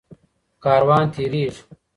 کاروان تيريږي.